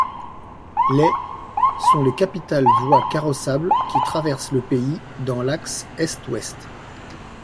Les ' sont les principales voies carrossables qui traversent le pays dans l'axe est-ouest.